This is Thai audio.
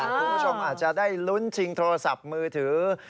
คุณผู้ชมอาจจะได้ลุ้นชิงโทรศัพท์มือถือ